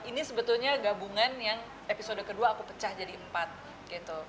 ini sebetulnya gabungan yang episode kedua aku pecah jadi empat gitu